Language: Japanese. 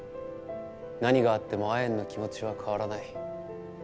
何があってもアエンの気持ちは変わらない。